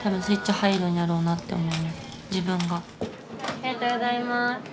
ありがとうございます。